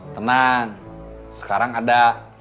teman sekarang ada